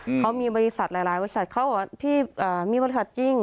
เขามีบริษัทหลายหลายบริษัทเขาบอกว่าพี่อ่ามีบริษัทจริง